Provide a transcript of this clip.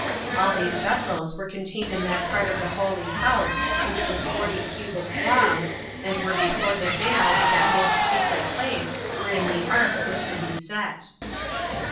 All these vessels were contained in that part of the holy house, which was forty cubits long, and were before the veil of that most secret place wherein the ark was to be set.